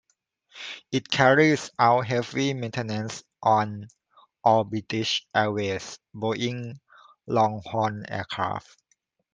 It carries out heavy maintenance on all British Airways Boeing longhaul aircraft.